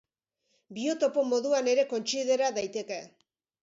Biotopo moduan ere kontsidera daiteke.